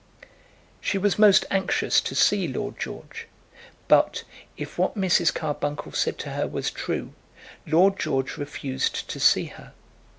She was most anxious to see Lord George; but, if what Mrs. Carbuncle said to her was true, Lord George refused to see her.